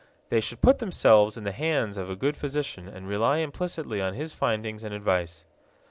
They should put themselves in the hands of a good physician and rely implicitly on his findings and advice.